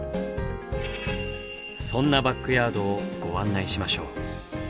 そんなバックヤードをご案内しましょう。